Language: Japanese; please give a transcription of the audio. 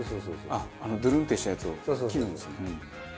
あのドゥルンってしたやつを切るんですね。